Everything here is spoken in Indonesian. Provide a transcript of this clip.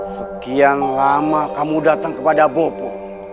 sekian lama kamu datang kepada bobo